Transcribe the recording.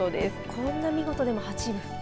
こんなに見事でも８分。